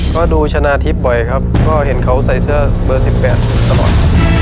ก็ดูชนะทิพย์บ่อยครับก็เห็นเขาใส่เสื้อเบอร์๑๘ตลอด